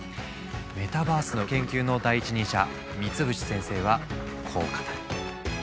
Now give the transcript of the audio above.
メタバースの研究の第一人者三淵先生はこう語る。